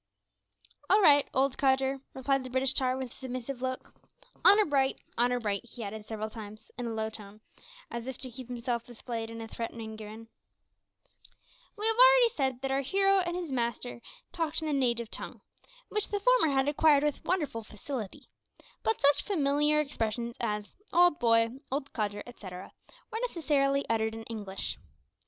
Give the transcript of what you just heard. "All right, old codger," replied the British tar, with a submissive look; "honour bright, honour bright," he added several times, in a low tone, as if to keep himself in mind of his promise. We have already said that our hero and his master talked in the native tongue, which the former had acquired with wonderful facility, but such familiar expressions as "old boy," "old codger," etcetera, were necessarily uttered in English.